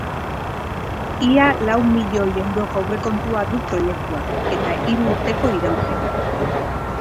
Ia lau milioi euroko aurrekontua du proiektuak, eta hiru urteko iraupena.